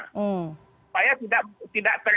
supaya tidak terbatas